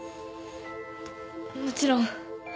もちろん。